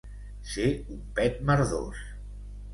Ser un pet merdós.